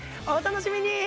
お楽しみに！